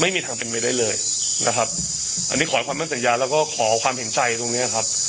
ไม่มีทางเป็นไปได้เลยนะครับอันนี้ขอให้ความมั่นสัญญาแล้วก็ขอความเห็นใจตรงเนี้ยครับ